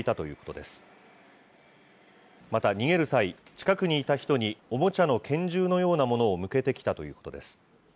また、逃げる際、近くにいた人に、おもちゃの拳銃なようなものを向けてきたということです。